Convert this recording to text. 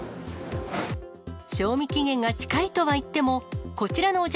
賞味期限が近いとはいっても、こちらのお茶